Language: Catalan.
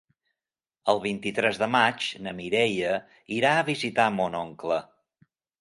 El vint-i-tres de maig na Mireia irà a visitar mon oncle.